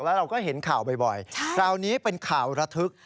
แล้วเราก็เห็นข่าวบ่อยคราวนี้เป็นข่าวระทึก